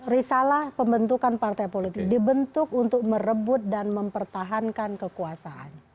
risalah pembentukan partai politik dibentuk untuk merebut dan mempertahankan kekuasaan